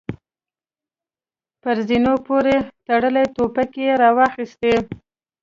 پر زينونو پورې تړلې ټوپکې يې را واخيستې.